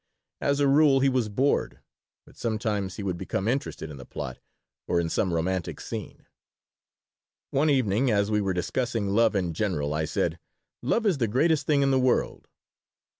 As a rule, he was bored, but sometimes he would become interested in the plot or in some romantic scene. One evening, as we were discussing love in general, I said: "Love is the greatest thing in the world."